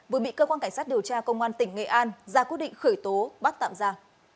vừa bị cơ quan cảnh sát điều tra công an tỉnh nghệ an ra quyết định khởi tố bắt tạm ra